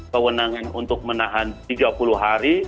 kewenangan untuk menahan tiga puluh hari